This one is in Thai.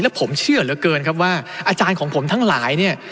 และผมเชื่อเหลือเกินครับว่าอาจารย์ของผมทั้งหลายเนี่ย